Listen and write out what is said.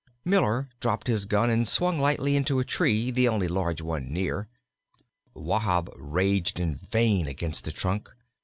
Miller dropped his gun and swung lightly into a tree, the only large one near. Wahb raged in vain against the trunk.